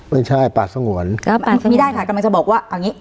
ไม่ใช่ป่าสงวนไม่ได้ค่ะกำลังจะบอกว่าเอาอย่างงี้